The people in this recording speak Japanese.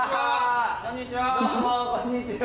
こんにちは。